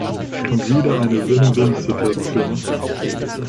Und wieder eine Win-win-Situation!